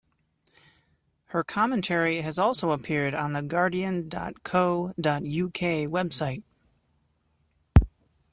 Her commentary has also appeared on the guardian.co.uk website.